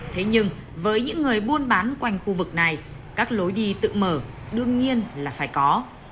thế nhưng với những người buôn bán quanh khu vực này các lối đi tự mở đương nhiên là phải có